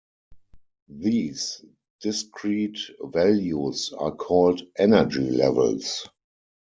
These discrete values are called energy levels.